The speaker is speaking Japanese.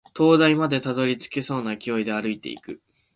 灯台までたどり着けそうな勢いで歩いていく